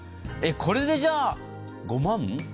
これでじゃあ、５万？